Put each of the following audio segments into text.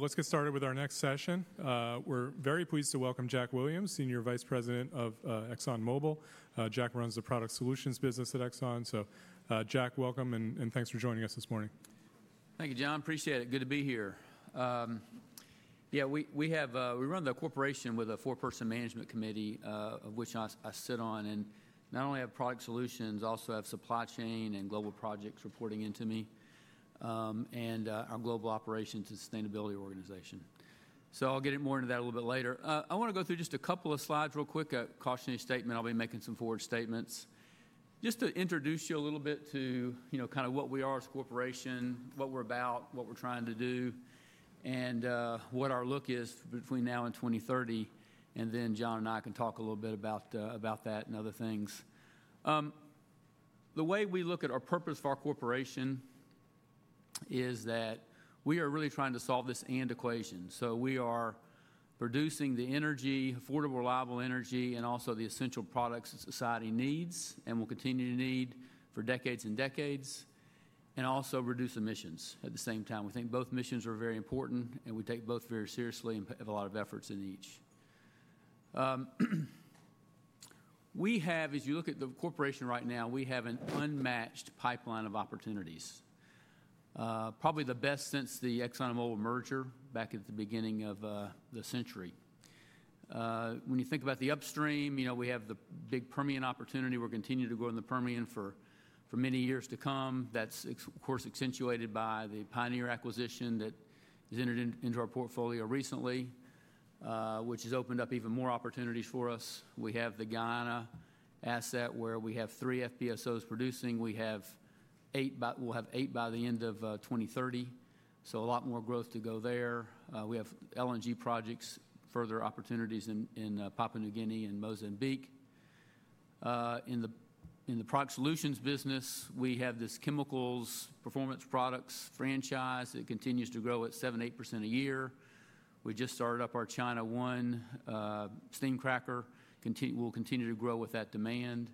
Let's get started with our next session. We're very pleased to welcome Jack Williams, Senior Vice President of ExxonMobil. Jack runs the product solutions business at ExxonMobil. Jack, welcome, and thanks for joining us this morning. Thank you, John. Appreciate it. Good to be here. Yeah, we run the corporation with a four-person management committee, of which I sit on, and not only have product solutions, I also have supply chain and global projects reporting into me, and our global operations and sustainability organization. I'll get more into that a little bit later. I want to go through just a couple of slides real quick, a cautionary statement. I'll be making some forward statements. Just to introduce you a little bit to kind of what we are as a corporation, what we're about, what we're trying to do, and what our look is between now and 2030, and then John and I can talk a little bit about that and other things. The way we look at our purpose for our corporation is that we are really trying to solve this and equation. We are producing the energy, affordable, reliable energy, and also the essential products that society needs and will continue to need for decades and decades, and also reduce emissions at the same time. We think both missions are very important, and we take both very seriously and have a lot of efforts in each. As you look at the corporation right now, we have an unmatched pipeline of opportunities, probably the best since the ExxonMobil merger back at the beginning of the century. When you think about the upstream, we have the big Permian opportunity. We're continuing to grow in the Permian for many years to come. That's, of course, accentuated by the Pioneer acquisition that has entered into our portfolio recently, which has opened up even more opportunities for us. We have the Guyana asset where we have three FPSOs producing. We'll have eight by the end of 2030, so a lot more growth to go there. We have LNG projects, further opportunities in Papua New Guinea and Mozambique. In the product solutions business, we have this chemicals performance products franchise that continues to grow at 7%-8% a year. We just started up our China One steam cracker. We'll continue to grow with that demand.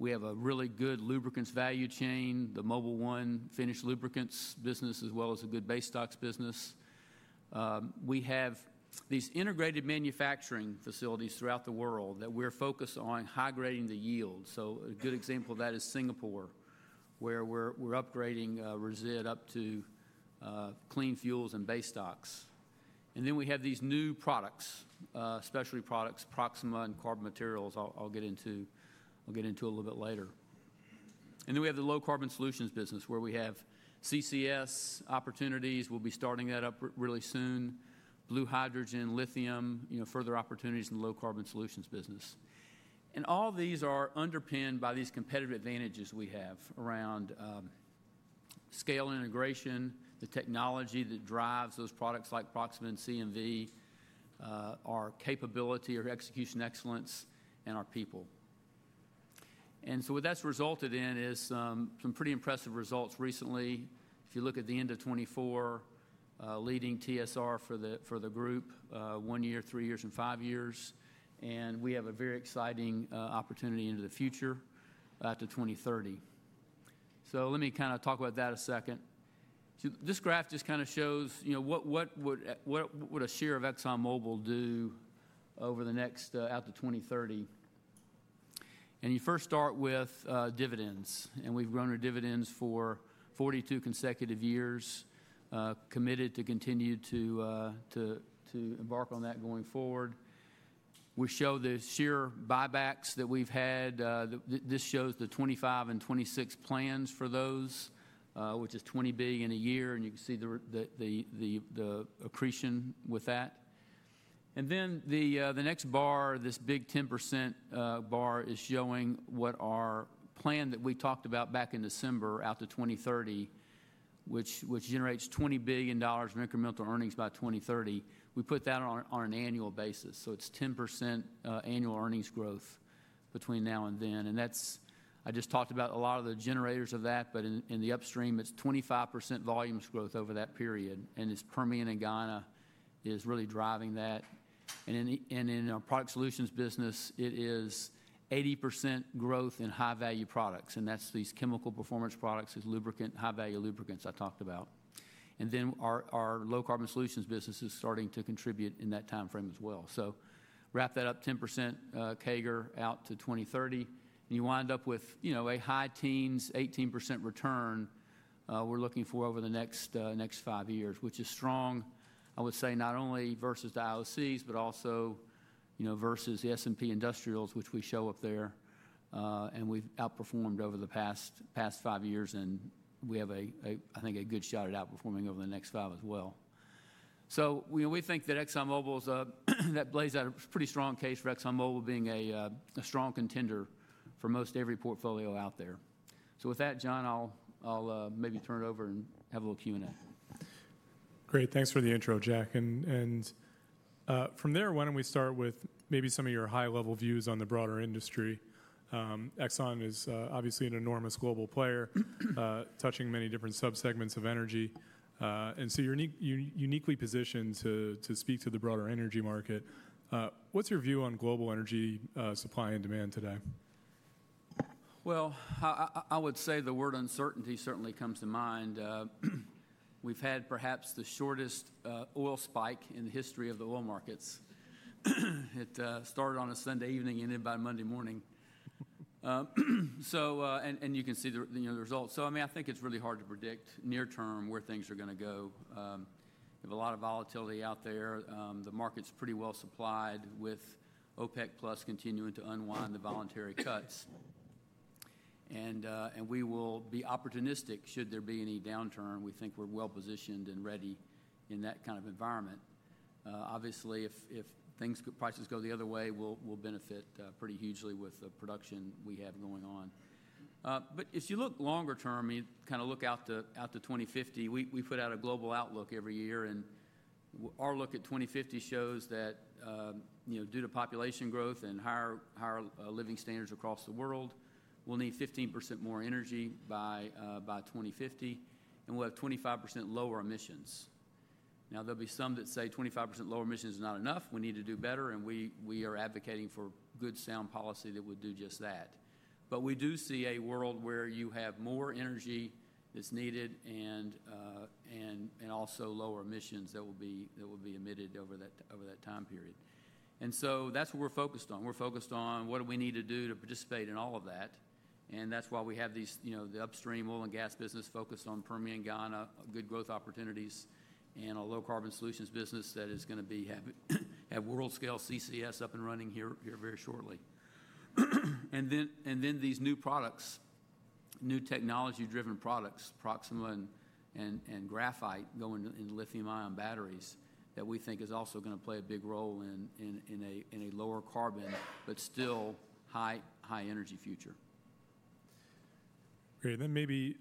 We have a really good lubricants value chain, the Mobil 1 finished lubricants business, as well as a good base stocks business. We have these integrated manufacturing facilities throughout the world that we're focused on high grading the yield. A good example of that is Singapore, where we're upgrading resid up to clean fuels and base stocks. We have these new products, specialty products, Proxima and carbon materials. I'll get into a little bit later. We have the low carbon solutions business where we have CCS opportunities. We will be starting that up really soon. Blue hydrogen, lithium, further opportunities in the low carbon solutions business. All these are underpinned by these competitive advantages we have around scale integration, the technology that drives those products like Proxima and CMV, our capability or execution excellence, and our people. What that has resulted in is some pretty impressive results recently. If you look at the end of 2024, leading TSR for the group, one year, three years, and five years, and we have a very exciting opportunity into the future out to 2030. Let me kind of talk about that a second. This graph just kind of shows what would a share of ExxonMobil do over the next out to 2030. You first start with dividends, and we have grown our dividends for 42 consecutive years, committed to continue to embark on that going forward. We show the share buybacks that we have had. This shows the 2025 and 2026 plans for those, which is $20 billion a year, and you can see the accretion with that. The next bar, this big 10% bar, is showing what our plan that we talked about back in December out to 2030, which generates $20 billion of incremental earnings by 2030. We put that on an annual basis, so it is 10% annual earnings growth between now and then. I just talked about a lot of the generators of that, but in the upstream, it is 25% volumes growth over that period, and it is Permian and Guyana that is really driving that. In our product solutions business, it is 80% growth in high value products, and that's these chemical performance products, these high value lubricants I talked about. Our low carbon solutions business is starting to contribute in that timeframe as well. Wrap that up, 10% CAGR out to 2030, and you wind up with a high teens, 18% return we're looking for over the next five years, which is strong, I would say, not only versus the IOCs, but also versus the S&P Industrials, which we show up there, and we've outperformed over the past five years, and we have, I think, a good shot at outperforming over the next five as well. We think that ExxonMobil is that plays out a pretty strong case for ExxonMobil being a strong contender for most every portfolio out there. With that, John, I'll maybe turn it over and have a little Q&A. Great. Thanks for the intro, Jack. From there, why don't we start with maybe some of your high level views on the broader industry? ExxonMobil is obviously an enormous global player touching many different subsegments of energy, and you are uniquely positioned to speak to the broader energy market. What's your view on global energy supply and demand today? The word uncertainty certainly comes to mind. We've had perhaps the shortest oil spike in the history of the oil markets. It started on a Sunday evening and ended by Monday morning. You can see the results. I mean, I think it's really hard to predict near term where things are going to go. We have a lot of volatility out there. The market's pretty well supplied with OPEC+ continuing to unwind the voluntary cuts. We will be opportunistic should there be any downturn. We think we're well positioned and ready in that kind of environment. Obviously, if prices go the other way, we'll benefit pretty hugely with the production we have going on. If you look longer term, you kind of look out to 2050, we put out a global outlook every year, and our look at 2050 shows that due to population growth and higher living standards across the world, we'll need 15% more energy by 2050, and we'll have 25% lower emissions. There'll be some that say 25% lower emissions is not enough. We need to do better, and we are advocating for good sound policy that would do just that. We do see a world where you have more energy that's needed and also lower emissions that will be emitted over that time period. That's what we're focused on. We're focused on what do we need to do to participate in all of that, and that's why we have the upstream oil and gas business focused on Permian and Guyana, good growth opportunities, and a low carbon solutions business that is going to have world scale CCS up and running here very shortly. Then these new products, new technology driven products, Proxima and Graphite going into lithium ion batteries that we think is also going to play a big role in a lower carbon, but still high energy future. Great. Maybe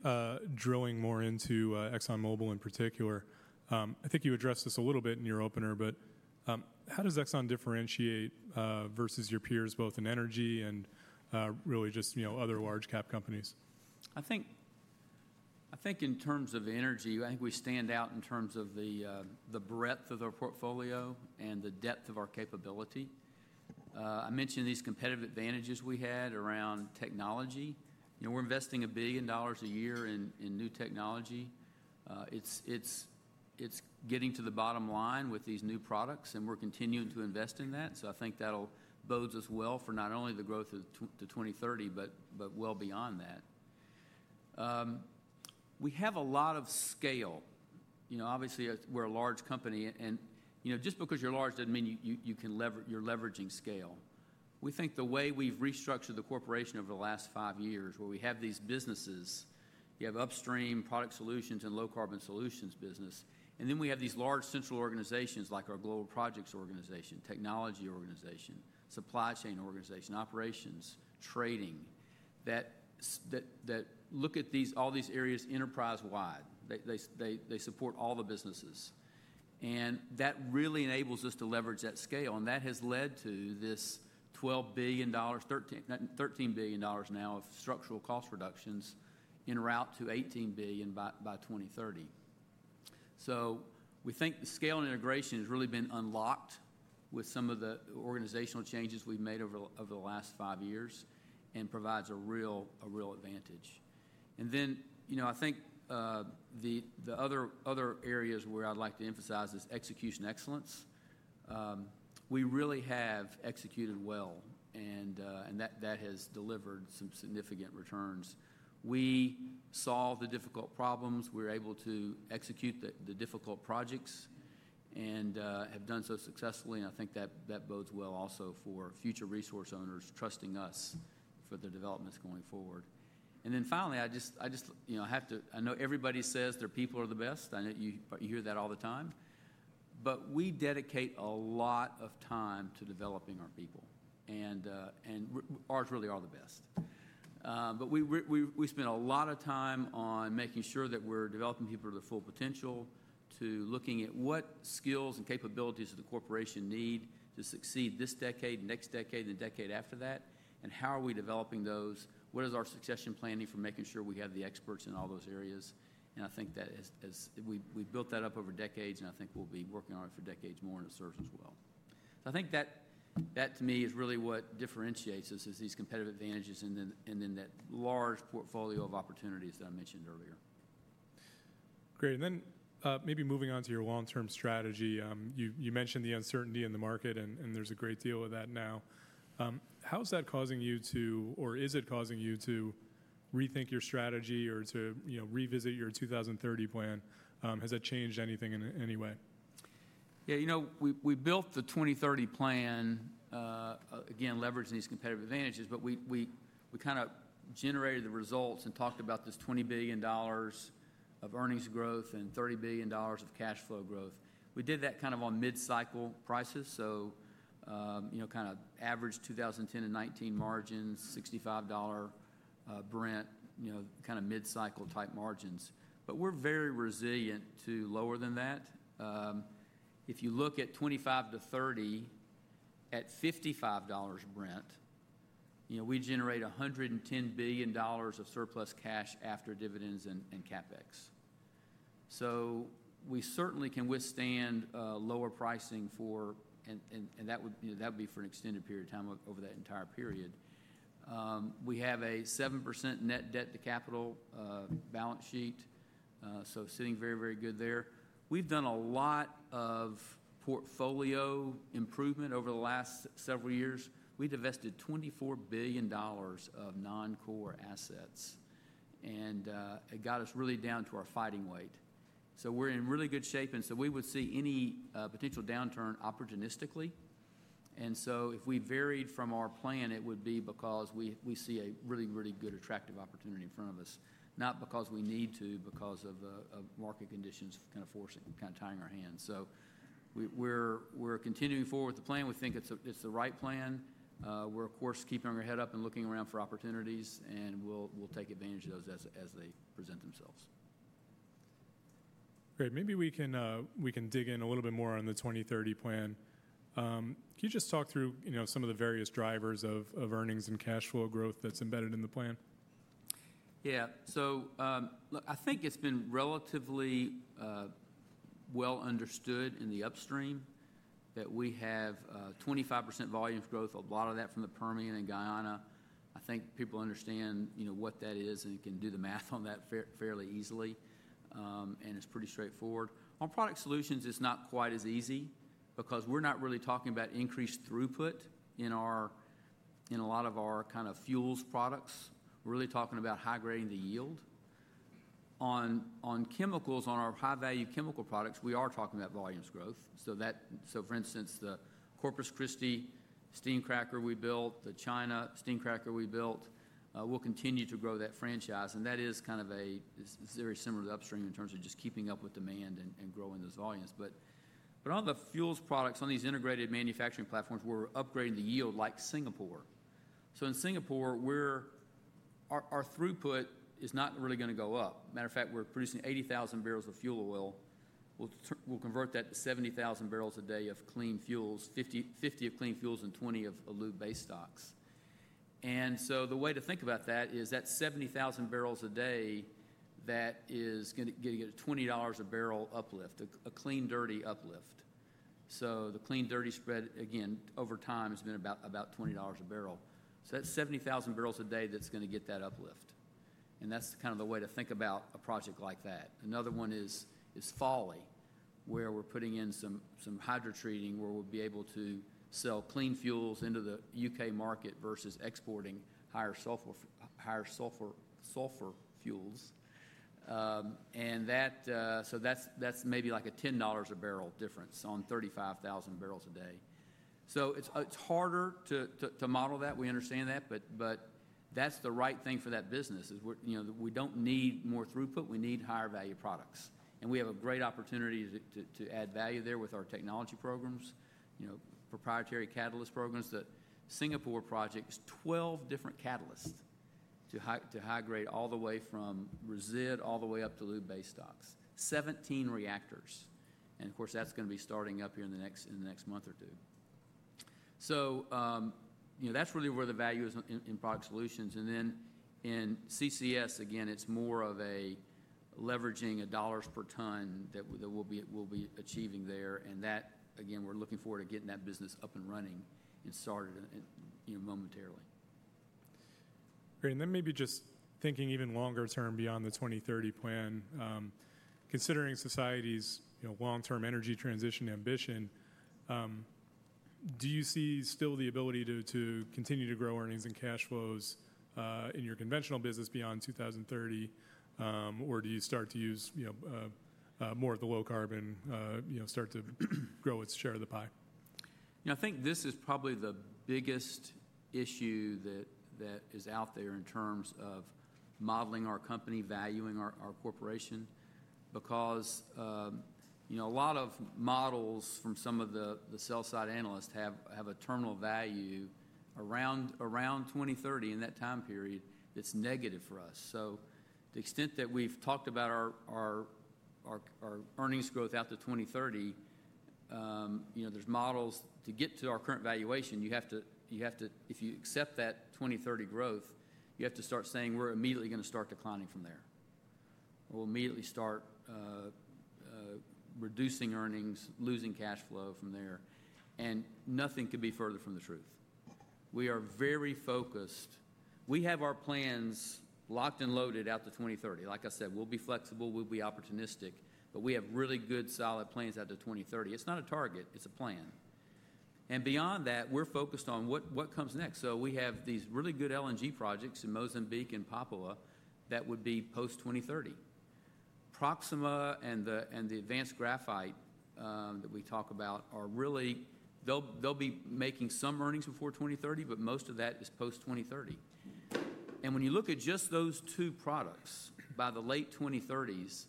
drilling more into ExxonMobil in particular. I think you addressed this a little bit in your opener, but how does Exxon differentiate versus your peers, both in energy and really just other large cap companies? I think in terms of energy, I think we stand out in terms of the breadth of our portfolio and the depth of our capability. I mentioned these competitive advantages we had around technology. We're investing $1 billion a year in new technology. It's getting to the bottom line with these new products, and we're continuing to invest in that. I think that'll bode us well for not only the growth to 2030, but well beyond that. We have a lot of scale. Obviously, we're a large company, and just because you're large doesn't mean you're leveraging scale. We think the way we've restructured the corporation over the last five years, where we have these businesses, you have upstream, product solutions, and low carbon solutions business, and then we have these large central organizations like our global projects organization, technology organization, supply chain organization, operations, trading that look at all these areas enterprise wide. They support all the businesses, and that really enables us to leverage that scale, and that has led to this $13 billion now of structural cost reductions in route to $18 billion by 2030. We think the scale and integration has really been unlocked with some of the organizational changes we've made over the last five years and provides a real advantage. I think the other areas where I'd like to emphasize is execution excellence. We really have executed well, and that has delivered some significant returns. We solve the difficult problems. We're able to execute the difficult projects and have done so successfully. I think that bodes well also for future resource owners trusting us for the developments going forward. Finally, I just have to, I know everybody says their people are the best. I know you hear that all the time, but we dedicate a lot of time to developing our people, and ours really are the best. We spend a lot of time on making sure that we're developing people to their full potential, to looking at what skills and capabilities does the corporation need to succeed this decade, next decade, and the decade after that, and how are we developing those? What is our succession planning for making sure we have the experts in all those areas? I think that we've built that up over decades, and I think we'll be working on it for decades more in a surge as well. I think that to me is really what differentiates us is these competitive advantages and then that large portfolio of opportunities that I mentioned earlier. Great. Maybe moving on to your long-term strategy, you mentioned the uncertainty in the market, and there's a great deal of that now. How is that causing you to, or is it causing you to rethink your strategy or to revisit your 2030 plan? Has that changed anything in any way? Yeah. You know, we built the 2030 plan, again, leveraging these competitive advantages, but we kind of generated the results and talked about this $20 billion of earnings growth and $30 billion of cash flow growth. We did that kind of on mid-cycle prices, so kind of average 2010 and 2019 margins, $65 Brent, kind of mid-cycle type margins. We are very resilient to lower than that. If you look at 2025 to 2030 at $55 Brent, we generate $110 billion of surplus cash after dividends and CapEx. We certainly can withstand lower pricing, and that would be for an extended period of time over that entire period. We have a 7% net debt to capital balance sheet, so sitting very, very good there. We have done a lot of portfolio improvement over the last several years. We divested $24 billion of non-core assets, and it got us really down to our fighting weight. We are in really good shape, and we would see any potential downturn opportunistically. If we varied from our plan, it would be because we see a really, really good attractive opportunity in front of us, not because we need to, because of market conditions kind of forcing, kind of tying our hands. We are continuing forward with the plan. We think it is the right plan. We are, of course, keeping our head up and looking around for opportunities, and we will take advantage of those as they present themselves. Great. Maybe we can dig in a little bit more on the 2030 plan. Can you just talk through some of the various drivers of earnings and cash flow growth that's embedded in the plan? Yeah. I think it's been relatively well understood in the upstream that we have 25% volume growth, a lot of that from the Permian and Guyana. I think people understand what that is, and can do the math on that fairly easily, and it's pretty straightforward. On product solutions, it's not quite as easy because we're not really talking about increased throughput in a lot of our kind of fuels products. We're really talking about high grading the yield. On chemicals, on our high value chemical products, we are talking about volumes growth. For instance, the Corpus Christi steam cracker we built, the China steam cracker we built, we'll continue to grow that franchise, and that is kind of very similar to upstream in terms of just keeping up with demand and growing those volumes. On the fuels products, on these integrated manufacturing platforms, we're upgrading the yield like Singapore. In Singapore, our throughput is not really going to go up. Matter of fact, we're producing 80,000 barrels of fuel oil. We'll convert that to 70,000 barrels a day of clean fuels, 50 of clean fuels and 20 of lube-based stocks. The way to think about that is that 70,000 barrels a day, that is going to get a $20 a barrel uplift, a clean dirty uplift. The clean dirty spread, again, over time has been about $20 a barrel. That is 70,000 barrels a day that's going to get that uplift, and that's kind of the way to think about a project like that. Another one is Fawley, where we're putting in some hydrotreating where we'll be able to sell clean fuels into the U.K. market versus exporting higher sulfur fuels. That's maybe like a $10 a barrel difference on 35,000 barrels a day. It's harder to model that. We understand that, but that's the right thing for that business. We don't need more throughput. We need higher value products, and we have a great opportunity to add value there with our technology programs, proprietary catalyst programs. The Singapore project is 12 different catalysts to high grade all the way from resid all the way up to lube base stocks, 17 reactors. Of course, that's going to be starting up here in the next month or two. That's really where the value is in product solutions. In CCS, again, it's more of leveraging a dollars per ton that we'll be achieving there. That, again, we're looking forward to getting that business up and running and started momentarily. Great. Maybe just thinking even longer term beyond the 2030 plan, considering society's long-term energy transition ambition, do you see still the ability to continue to grow earnings and cash flows in your conventional business beyond 2030, or do you start to use more of the low carbon, start to grow its share of the pie? I think this is probably the biggest issue that is out there in terms of modeling our company, valuing our corporation, because a lot of models from some of the sell-side analysts have a terminal value around 2030 in that time period that's negative for us. To the extent that we've talked about our earnings growth out to 2030, there's models to get to our current valuation. You have to, if you accept that 2030 growth, you have to start saying we're immediately going to start declining from there. We'll immediately start reducing earnings, losing cash flow from there, and nothing could be further from the truth. We are very focused. We have our plans locked and loaded out to 2030. Like I said, we'll be flexible. We'll be opportunistic, but we have really good solid plans out to 2030. It's not a target. It's a plan. Beyond that, we're focused on what comes next. We have these really good LNG projects in Mozambique and Papua that would be post 2030. Proxima and the Advanced Graphite that we talk about are really, they'll be making some earnings before 2030, but most of that is post 2030. When you look at just those two products by the late 2030s,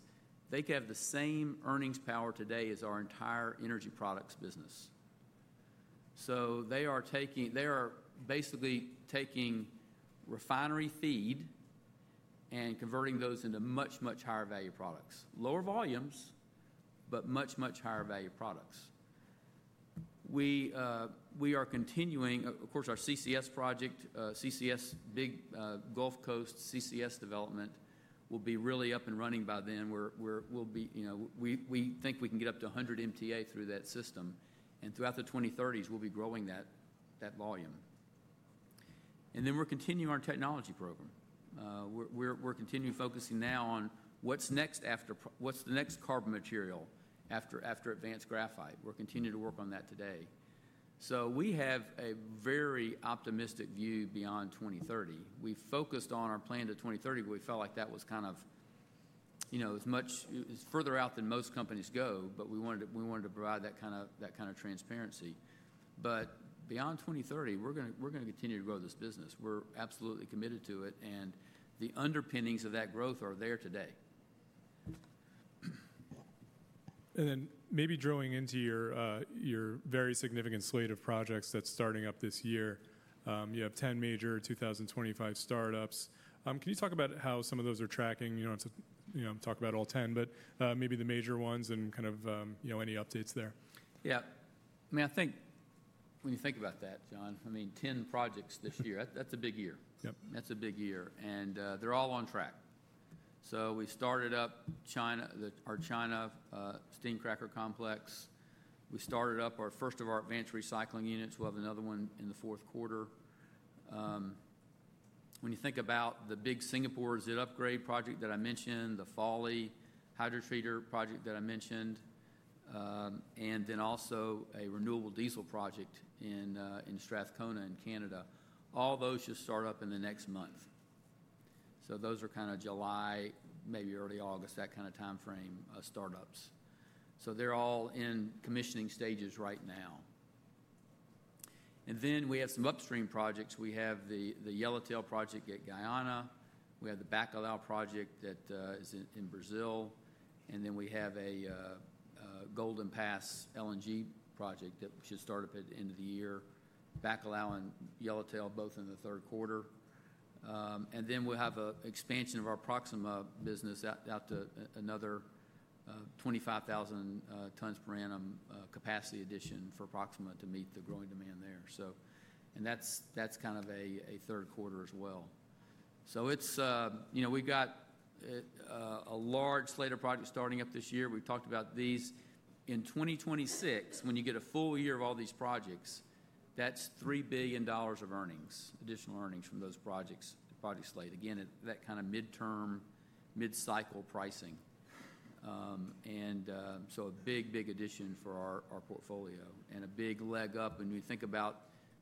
they could have the same earnings power today as our entire energy products business. They are basically taking refinery feed and converting those into much, much higher value products. Lower volumes, but much, much higher value products. We are continuing, of course, our CCS project, CCS, big Gulf Coast CCS development will be really up and running by then. We think we can get up to 100 MTA through that system, and throughout the 2030s, we'll be growing that volume. We are continuing our technology program. We are continuing focusing now on what is next after, what is the next carbon material after Advanced Graphite. We are continuing to work on that today. We have a very optimistic view beyond 2030. We focused on our plan to 2030, and we felt like that was kind of as much further out than most companies go, but we wanted to provide that kind of transparency. Beyond 2030, we are going to continue to grow this business. We are absolutely committed to it, and the underpinnings of that growth are there today. Maybe drilling into your very significant slate of projects that is starting up this year, you have 10 major 2025 startups. Can you talk about how some of those are tracking? You do not have to talk about all 10, but maybe the major ones and kind of any updates there. Yeah. I mean, I think when you think about that, John, I mean, 10 projects this year, that's a big year. That's a big year, and they're all on track. We started up our China steam cracker complex. We started up our first of our advanced recycling units. We'll have another one in the fourth quarter. When you think about the big Singapore ZID upgrade project that I mentioned, the Fawley hydrotreater project that I mentioned, and then also a renewable diesel project in Strathcona in Canada, all those just start up in the next month. Those are kind of July, maybe early August, that kind of timeframe startups. They're all in commissioning stages right now. We have some upstream projects. We have the Yellowtail project at Guyana. We have the Bacalhau project that is in Brazil, and then we have a Golden Pass LNG project that should start up at the end of the year, Bacalhau and Yellowtail both in the third quarter. We will have an expansion of our Proxima business out to another 25,000 tons per annum capacity addition for Proxima to meet the growing demand there. That is kind of a third quarter as well. We have got a large slate of projects starting up this year. We have talked about these in 2026. When you get a full year of all these projects, that is $3 billion of earnings, additional earnings from those projects slated. Again, that kind of mid-term, mid-cycle pricing. A big, big addition for our portfolio and a big leg up. When you think about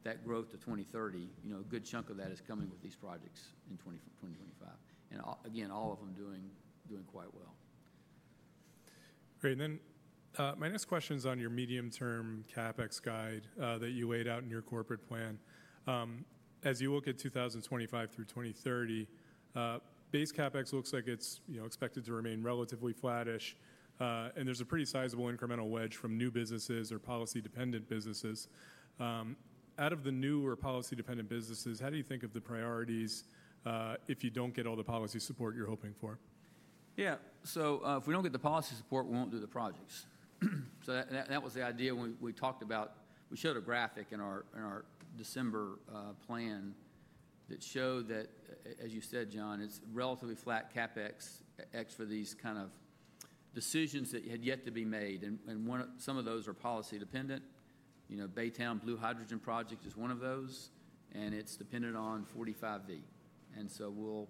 that growth to 2030, a good chunk of that is coming with these projects in 2025. Again, all of them doing quite well. Great. My next question is on your medium-term CapEx guide that you laid out in your corporate plan. As you look at 2025 through 2030, base CapEx looks like it is expected to remain relatively flattish, and there is a pretty sizable incremental wedge from new businesses or policy-dependent businesses. Out of the new or policy-dependent businesses, how do you think of the priorities if you do not get all the policy support you are hoping for? Yeah. If we do not get the policy support, we will not do the projects. That was the idea we talked about. We showed a graphic in our December plan that showed that, as you said, John, it is relatively flat CapEx for these kind of decisions that had yet to be made. Some of those are policy-dependent. Baytown Blue Hydrogen Project is one of those, and it is dependent on 45V. We will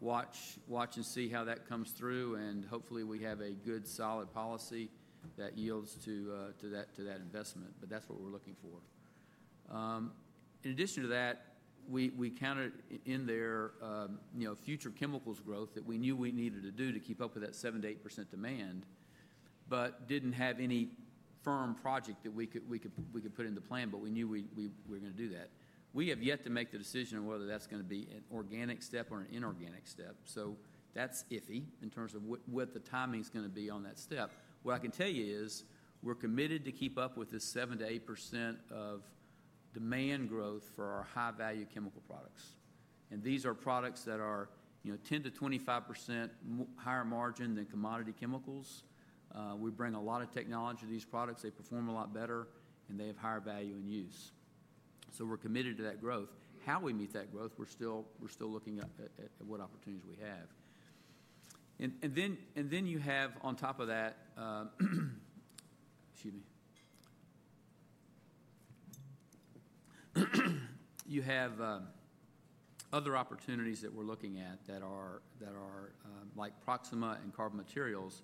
watch and see how that comes through, and hopefully we have a good solid policy that yields to that investment, but that is what we are looking for. In addition to that, we counted in there future chemicals growth that we knew we needed to do to keep up with that 7-8% demand, but did not have any firm project that we could put in the plan, but we knew we were going to do that. We have yet to make the decision on whether that's going to be an organic step or an inorganic step. That's iffy in terms of what the timing is going to be on that step. What I can tell you is we're committed to keep up with this 7-8% of demand growth for our high-value chemical products. These are products that are 10-25% higher margin than commodity chemicals. We bring a lot of technology to these products. They perform a lot better, and they have higher value in use. We're committed to that growth. How we meet that growth, we're still looking at what opportunities we have. You have on top of that, excuse me, you have other opportunities that we're looking at that are like Proxima and carbon materials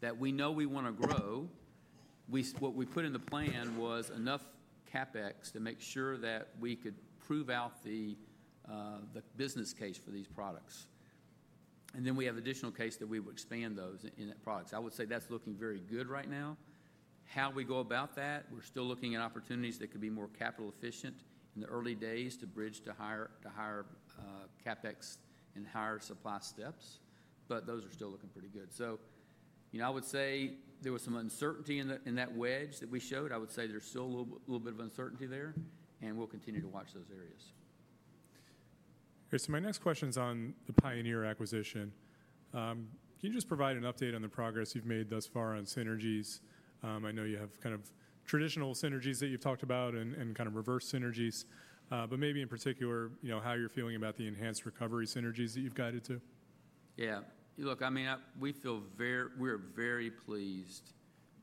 that we know we want to grow. What we put in the plan was enough CapEx to make sure that we could prove out the business case for these products. Then we have additional CapEx that we would expand those end products. I would say that's looking very good right now. How we go about that, we're still looking at opportunities that could be more capital efficient in the early days to bridge to higher CapEx and higher supply steps, but those are still looking pretty good. I would say there was some uncertainty in that wedge that we showed. I would say there's still a little bit of uncertainty there, and we'll continue to watch those areas. Great. My next question is on the Pioneer acquisition. Can you just provide an update on the progress you've made thus far on synergies? I know you have kind of traditional synergies that you've talked about and kind of reverse synergies, but maybe in particular how you're feeling about the enhanced recovery synergies that you've guided to. Yeah. Look, I mean, we feel very, we're very pleased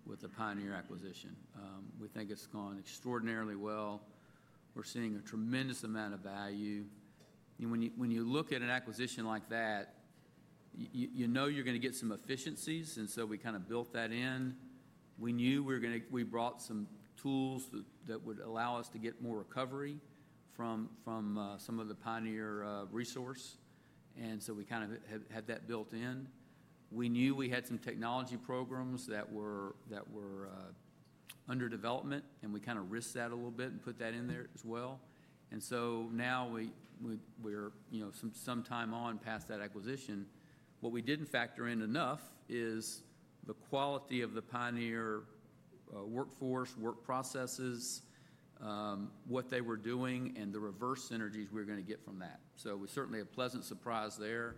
with the Pioneer acquisition. We think it's gone extraordinarily well. We're seeing a tremendous amount of value. When you look at an acquisition like that, you know you're going to get some efficiencies, and so we kind of built that in. We knew we brought some tools that would allow us to get more recovery from some of the Pioneer resource, and so we kind of had that built in. We knew we had some technology programs that were under development, and we kind of risked that a little bit and put that in there as well. Now we're some time on past that acquisition. What we didn't factor in enough is the quality of the Pioneer workforce, work processes, what they were doing, and the reverse synergies we're going to get from that. We certainly had a pleasant surprise there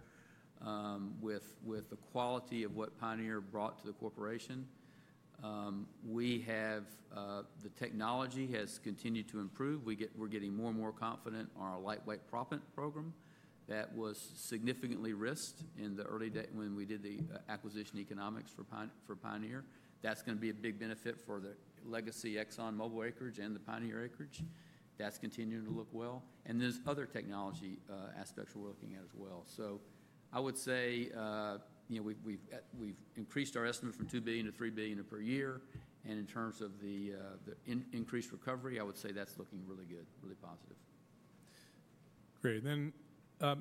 with the quality of what Pioneer brought to the corporation. The technology has continued to improve. We're getting more and more confident on our lightweight proppant program that was significantly risked in the early day when we did the acquisition economics for Pioneer. That's going to be a big benefit for the legacy ExxonMobil acreage and the Pioneer acreage. That's continuing to look well. There are other technology aspects we're looking at as well. I would say we've increased our estimate from $2 billion to $3 billion per year. In terms of the increased recovery, I would say that's looking really good, really positive. Great.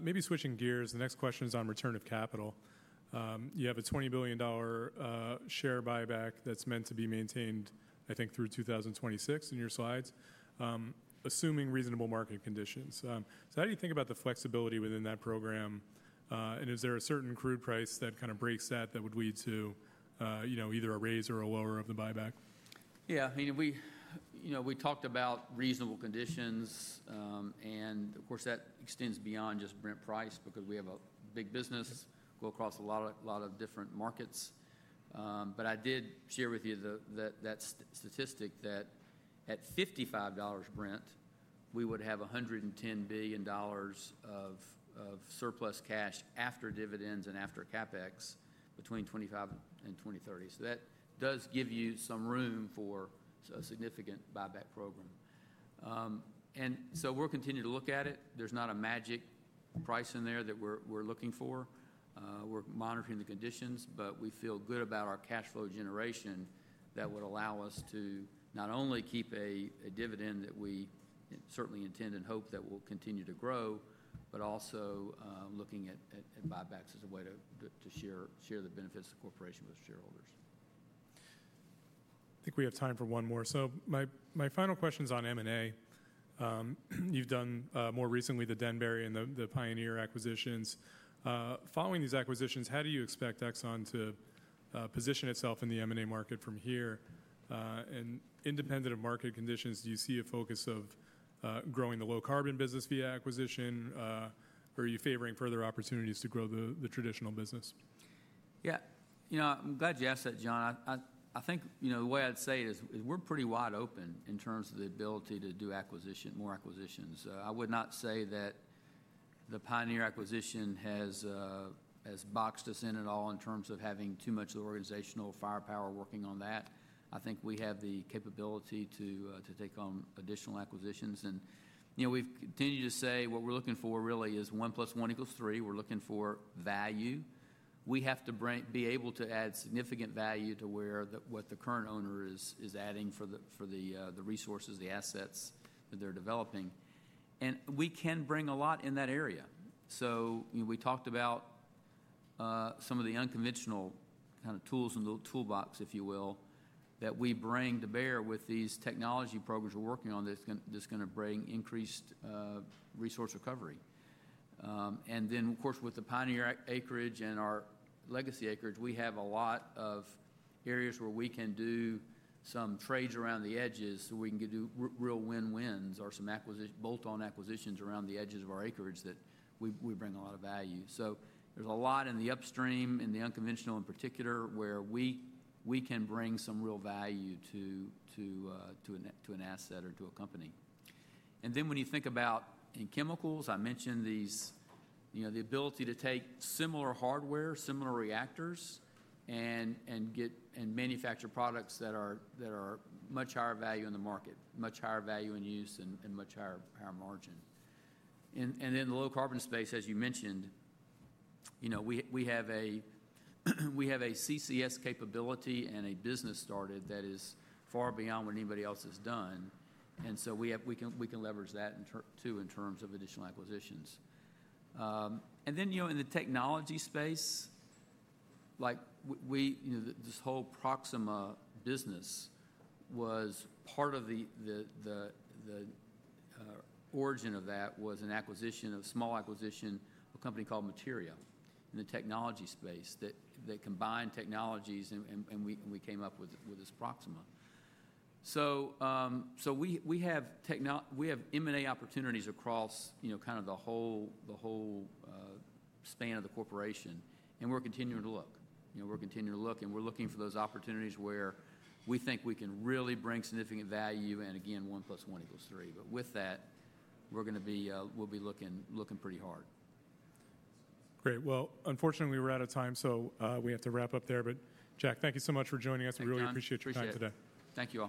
Maybe switching gears, the next question is on return of capital. You have a $20 billion share buyback that's meant to be maintained, I think, through 2026 in your slides, assuming reasonable market conditions. How do you think about the flexibility within that program? Is there a certain crude price that kind of breaks that that would lead to either a raise or a lower of the buyback? Yeah. I mean, we talked about reasonable conditions, and of course, that extends beyond just Brent price because we have a big business go across a lot of different markets. I did share with you that statistic that at $55 Brent, we would have $110 billion of surplus cash after dividends and after CapEx between 2025 and 2030. That does give you some room for a significant buyback program. We will continue to look at it. There is not a magic price in there that we are looking for. We are monitoring the conditions, but we feel good about our cash flow generation that would allow us to not only keep a dividend that we certainly intend and hope that will continue to grow, but also looking at buybacks as a way to share the benefits of the corporation with shareholders. I think we have time for one more. My final question is on M&A. You've done more recently the Denbury and the Pioneer acquisitions. Following these acquisitions, how do you expect ExxonMobil to position itself in the M&A market from here? Independent of market conditions, do you see a focus of growing the low carbon business via acquisition, or are you favoring further opportunities to grow the traditional business? Yeah. I'm glad you asked that, John. I think the way I'd say it is we're pretty wide open in terms of the ability to do more acquisitions. I would not say that the Pioneer acquisition has boxed us in at all in terms of having too much of the organizational firepower working on that. I think we have the capability to take on additional acquisitions. We've continued to say what we're looking for really is one plus one equals three. We're looking for value. We have to be able to add significant value to where what the current owner is adding for the resources, the assets that they're developing. We can bring a lot in that area. We talked about some of the unconventional kind of tools in the toolbox, if you will, that we bring to bear with these technology programs we're working on that's going to bring increased resource recovery. Of course, with the Pioneer acreage and our legacy acreage, we have a lot of areas where we can do some trades around the edges so we can do real win-wins or some bolt-on acquisitions around the edges of our acreage that we bring a lot of value. There's a lot in the upstream and the unconventional in particular where we can bring some real value to an asset or to a company. When you think about chemicals, I mentioned the ability to take similar hardware, similar reactors, and manufacture products that are much higher value in the market, much higher value in use, and much higher margin. In the low carbon space, as you mentioned, we have a CCS capability and a business started that is far beyond what anybody else has done. We can leverage that too in terms of additional acquisitions. In the technology space, this whole Proxima business was part of the origin of that, which was an acquisition, a small acquisition, a company called Materia in the technology space that combined technologies, and we came up with this Proxima. We have M&A opportunities across kind of the whole span of the corporation, and we are continuing to look. We are continuing to look, and we are looking for those opportunities where we think we can really bring significant value and again, one plus one equals three. With that, we will be looking pretty hard. Great. Unfortunately, we're out of time, so we have to wrap up there. Jack, thank you so much for joining us. We really appreciate your time today. Thank you.